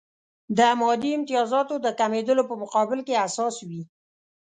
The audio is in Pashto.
د مادي امتیازاتو د کمېدلو په مقابل کې حساس وي.